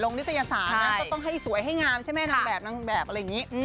นิตยสารนะก็ต้องให้สวยให้งามใช่ไหมนางแบบนางแบบอะไรอย่างนี้